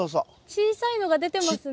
小さいのが出てますね。